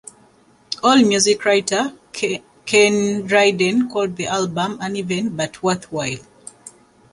Allmusic writer Ken Dryden called the album "uneven but worthwhile".